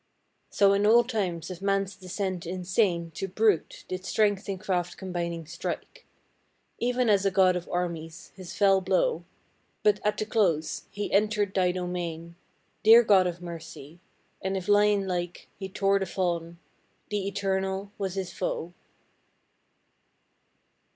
So in all times of man's descent insane To brute, did strength and craft combining strike, Even as a God of Armies, his fell blow. But at the close he entered Thy domain, Dear God of Mercy, and if lion like He tore the fall'n, the Eternal was his Foe.